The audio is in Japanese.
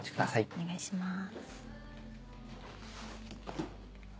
お願いします。